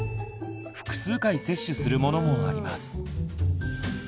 複数回接種するものもあります。